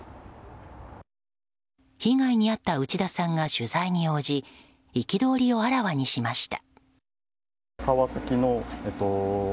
被害に遭った内田さんが取材に応じ憤りをあらわにしました。